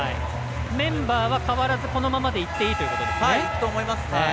メンバーは変わらずこのままでいっていいということですか。